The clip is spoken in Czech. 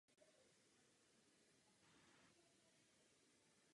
Po celou svou vládu podporoval buddhismus.